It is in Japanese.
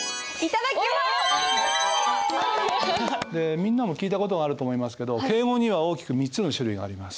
みんなも聞いた事はあると思いますけど敬語には大きく３つの種類があります。